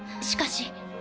しかし。